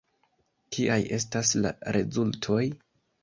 Kiaj estas la rezultoj?